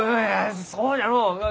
そうじゃのう！